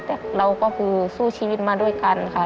แต่เราก็คือสู้ชีวิตมาด้วยกันค่ะ